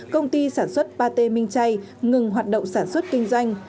công ty sản xuất ba t minh chay ngừng hoạt động sản xuất kinh doanh